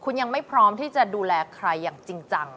คุณยังไม่พร้อมที่จะดูแลใครอย่างจริงจัง